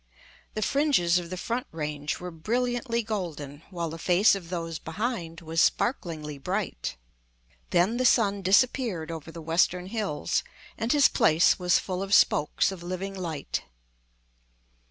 The fringes of the front range were brilliantly golden, while the face of those behind was sparklingly bright. Then the sun disappeared over the western hills, and his place was full of spokes of living light.